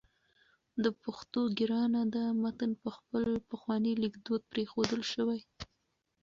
د پښتو ګرانه ده متن په خپل پخواني لیکدود پرېښودل شوی